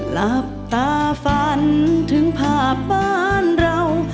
หลับตาฝันถึงภาพบ้านเรา